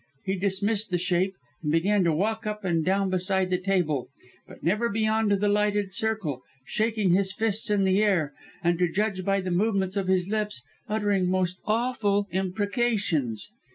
he dismissed the shape, and began to walk up and down beside the table, but never beyond the lighted circle, shaking his fists in the air, and, to judge by the movements of his lips, uttering most awful imprecations.